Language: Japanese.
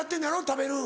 食べる。